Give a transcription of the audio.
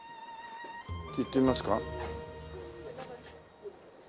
行ってみますか。